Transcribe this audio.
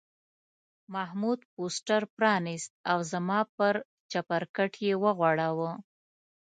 محمود پوسټر پرانیست او زما پر چپرکټ یې وغوړاوه.